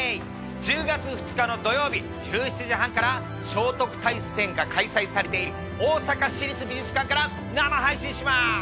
１０月２日の土曜日１７時半から聖徳太子展が開催されている大阪市立美術館から生配信します！